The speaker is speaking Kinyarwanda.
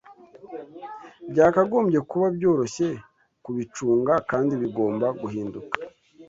Byakagombye kuba byoroshye kubicunga kandi bigomba guhinduka